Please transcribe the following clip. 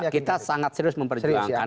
kita sangat serius memperjuangkan